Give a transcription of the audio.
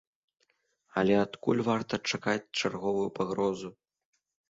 Але адкуль варта чакаць чарговую пагрозу?